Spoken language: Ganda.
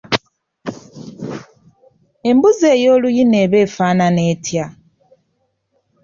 Embuzi ey’oluyina eba efaanana etya?